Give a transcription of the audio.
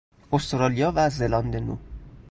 استرالیا و زلاند نو